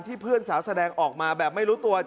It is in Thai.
เพื่อนสาวแสดงออกมาแบบไม่รู้ตัว